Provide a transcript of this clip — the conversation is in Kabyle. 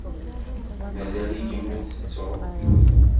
Mazal-ikem ur tettuḍ.